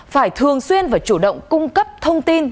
phải thường xuyên và chủ động cung cấp thông tin